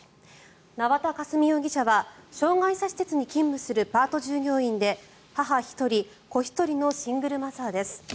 縄田佳純容疑者は障害者施設に勤務するパート従業員で母１人子１人のシングルマザーです。